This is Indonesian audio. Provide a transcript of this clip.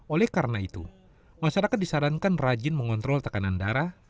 oleh karena itu masyarakat disarankan rajin mengontrol tekanan darah